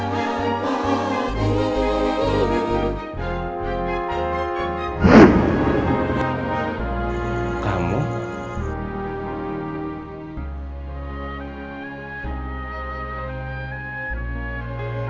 jeff sedang melanggar